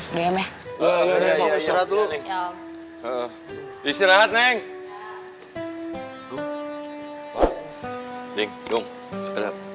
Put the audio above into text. penting ini serius